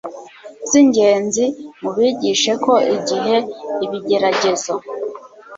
zingenzi Mubigishe ko igihe ibigeragezo